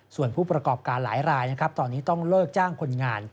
ส่วนผู้ประกอบการหลายรายนะครับตอนนี้ต้องเลิกจ้างคนงาน